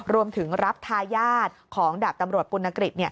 รวมถึงรับทายาทของดาบตำรวจปุณกฤษ